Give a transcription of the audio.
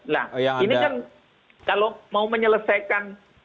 nah ini kan kalau mau menyelesaikan